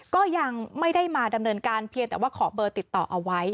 ก็ยังไม่ได้มาดำเนินการเพียงแต่ว่าขอเบอร์ติดต่อเอาไว้